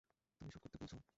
তুমি শ্যুট করতে বলছ?